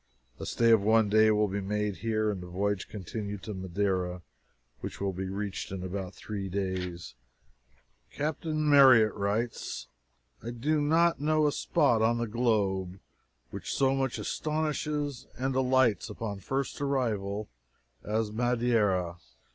A stay of one day will be made here, and the voyage continued to Madeira, which will be reached in about three days. Captain Marryatt writes: "I do not know a spot on the globe which so much astonishes and delights upon first arrival as Madeira."